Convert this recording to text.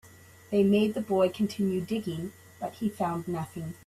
They made the boy continue digging, but he found nothing.